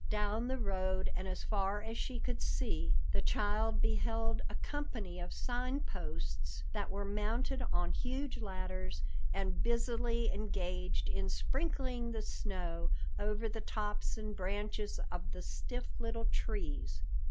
Down the road and as far as she could see, the child beheld a company of Sign Posts that were mounted on huge ladders and busily engaged in sprinkling the snow over the tops and branches of the stiff little trees.